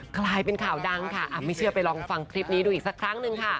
กลายเป็นข่าวดังค่ะไม่เชื่อไปลองฟังคลิปนี้ดูอีกสักครั้งหนึ่งค่ะ